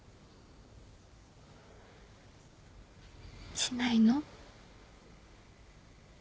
しないの？